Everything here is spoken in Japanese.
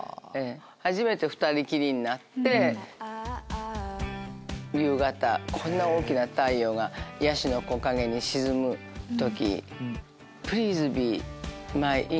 初めて２人きりになって夕方こんな大きな太陽がヤシの木陰に沈む時。